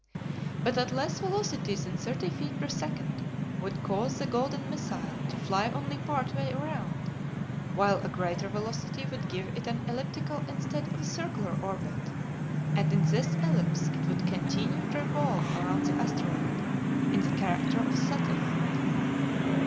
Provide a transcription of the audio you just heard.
But a less velocity than thirty feet per second would cause the golden missile to fly only part way around, while a greater velocity would give it an elliptical instead of a circular orbit, and in this ellipse it would continue to revolve around the asteroid in the character of a satellite.